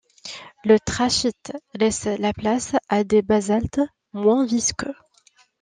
Le trachyte laisse la place à des basaltes, moins visqueux.